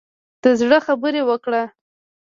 د زړه خبرې وکړه.